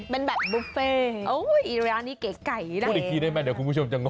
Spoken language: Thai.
เป็นแบบบุฟเฟ่โอ้ยอีร้านนี้เก๋ไก่ได้พูดอีกทีได้ไหมเดี๋ยวคุณผู้ชมจะงง